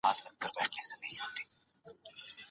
کړیو د لانجمنو مداخلو او فشارونو له امله، په